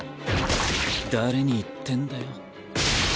誰に言ってんだよ。